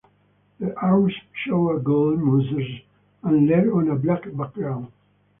The arms show a gold moose's antler on a black background.